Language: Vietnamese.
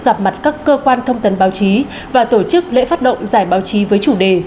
gặp mặt các cơ quan thông tấn báo chí và tổ chức lễ phát động giải báo chí với chủ đề